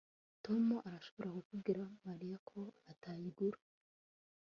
Tom arashobora kubwira Mariya ko atayigura